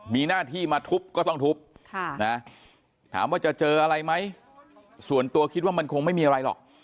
มีหน้าที่มาทุบก็ต้องทุบถามว่าจะเจออะไรไหมส่วนตัวคิดว่ามันคงไม่มีอะไรหรอก